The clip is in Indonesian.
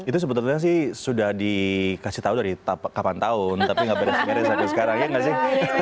itu sebetulnya sih sudah dikasih tahu dari kapan tahun tapi nggak beres beres sampai sekarang ya nggak sih